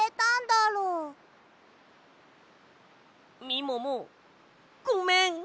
みももごめん！